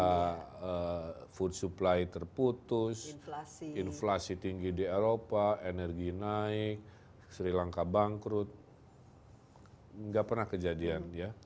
kemudian kita bisa mencari kemampuan untuk berdiskusi dengan orang lain